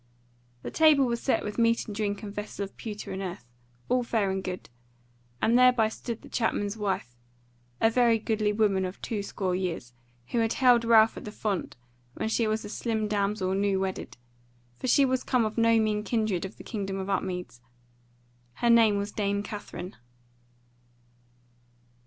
The table was set with meat and drink and vessel of pewter and earth, all fair and good; and thereby stood the chapman's wife, a very goodly woman of two score years, who had held Ralph at the font when she was a slim damsel new wedded; for she was come of no mean kindred of the Kingdom of Upmeads: her name was Dame Katherine.